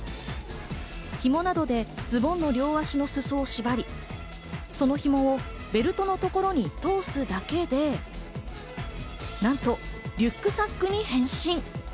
ひもなどでズボンの両足の裾を縛り、そのひもをベルトのところに通すだけで、なんとリュックサックに変身。